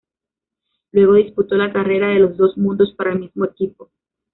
Luego disputó la Carrera de los Dos Mundos para el mismo equipo.